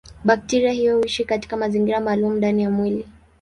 Bakteria hiyo huishi katika mazingira maalumu ndani ya mwili.